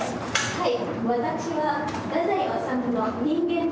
はい。